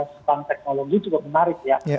tentang teknologi cukup menarik ya